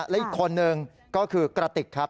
และอีกคนนึงก็คือกระติกครับ